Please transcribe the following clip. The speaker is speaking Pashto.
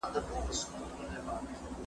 زه کولای سم اوبه پاک کړم